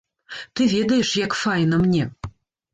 Ты ведаеш, як файна мне.